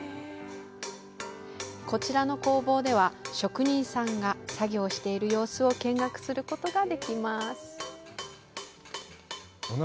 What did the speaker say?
こちらの工房では、職人さんが作業している様子を見学することができます。